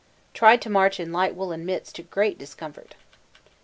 Tried to march in light woollen mits to great discomfort.